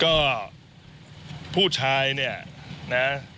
ก็ผู้ชายเนี่ยนะ